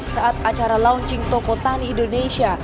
saat acara launching toko tani indonesia